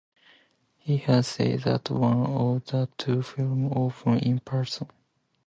He has said that one of the two films opens in prison.